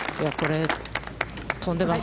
飛んでます。